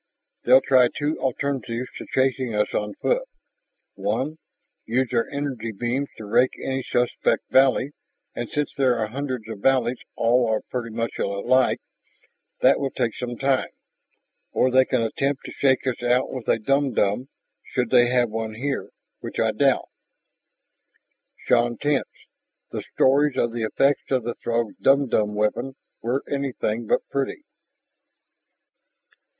They'll try two alternatives to chasing us on foot. One, use their energy beams to rake any suspect valley, and since there are hundreds of valleys all pretty much alike, that will take some time. Or they can attempt to shake us out with a dumdum should they have one here, which I doubt." Shann tensed. The stories of the effects of the Throg's dumdum weapon were anything but pretty.